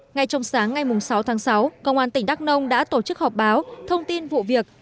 ngay trong sáng ngày sáu tháng sáu công an tỉnh đắk nông đã tổ chức họp báo thông tin vụ việc